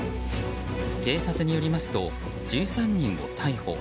警察によりますと、１３人を逮捕。